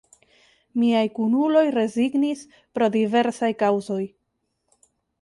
Miaj kunuloj rezignis pro diversaj kaŭzoj.